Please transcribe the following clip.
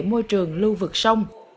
môi trường lưu vực sông